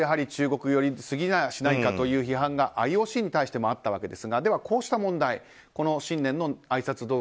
中国寄りやしないかという批判がＩＯＣに対してもあったわけですがでは、こうした問題この新年のあいさつ